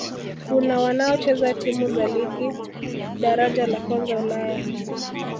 Kuna wanaocheza timu za Ligi Daraja la Kwanza Ulaya